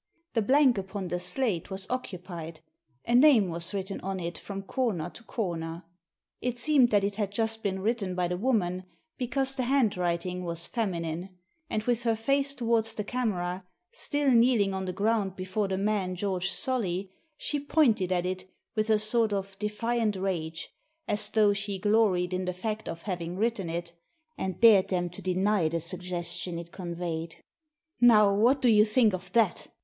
The blank upon the slate was occupied; a name was written on it from comer to corner. It seemed that it had just been written by the woman, because the handwriting was feminine; and with her face towards the camera, still kneeling on the ground before the man George Solly, she pointed at it with a sort of defiant rage, as though she gloried in the fact of having written it, and dared them to deny the suggestion it conveyed. "Now, what do you think of that?"